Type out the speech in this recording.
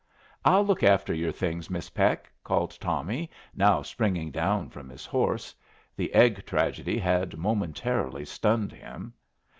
"I'll look after your things, Miss Peck," called Tommy, now springing down from his horse. The egg tragedy had momentarily stunned him.